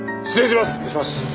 失礼します。